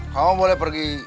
kamu boleh pergi